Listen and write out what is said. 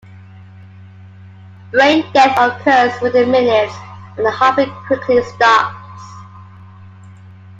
Brain death occurs within minutes and the heartbeat quickly stops.